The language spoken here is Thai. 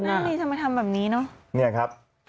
น่าจะทำแบบนี้เนอะ